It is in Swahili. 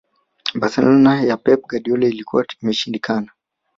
barcelona ya pep guardiola ilikuwa imeshindikana